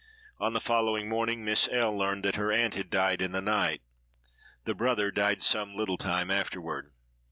On the following morning Miss L—— learned that her aunt had died in the night. The brother died some little time afterward.